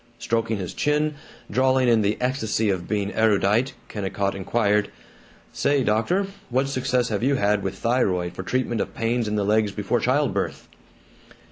Stroking his chin, drawling in the ecstasy of being erudite, Kennicott inquired, "Say, doctor, what success have you had with thyroid for treatment of pains in the legs before child birth?"